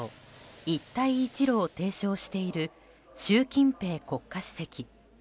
一帯一路を提唱している習近平国家主席。